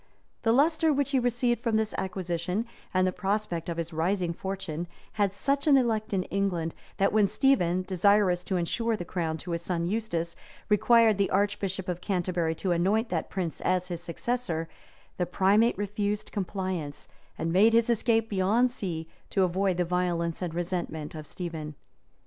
{1152.} The lustre which he received from this acquisition, and the prospect of his rising fortune, had such an elect in England, that when Stephen, desirous to insure the crown to his son Eustace, required the archbishop of Canterbury to anoint that prince as his successor, the primate refused compliance, and made his escape beyond sea, to avoid the violence and resentment of Stephen.